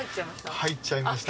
入っちゃいました。